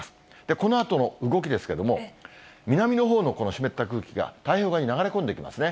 このあとの動きですけれども、南のほうのこの湿った空気が太平洋側に流れ込んできますね。